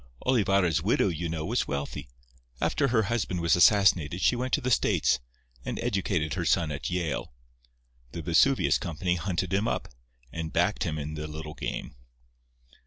Olivarra's widow, you know, was wealthy. After her husband was assassinated she went to the States, and educated her son at Yale. The Vesuvius Company hunted him up, and backed him in the little game."